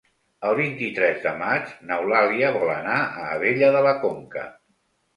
El vint-i-tres de maig n'Eulàlia vol anar a Abella de la Conca.